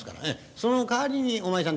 そのかわりにお前さん